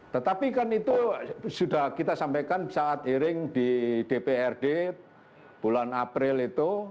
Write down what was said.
tetapi kan itu sudah kita sampaikan saat iring di dprd bulan april itu